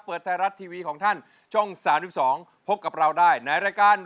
ไทยรัฐทีวีของท่านช่อง๓๒พบกับเราได้ในรายการ